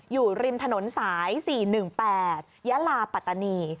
อยู่ริมถนนสาย๔๑๘ยะลาปัตตานี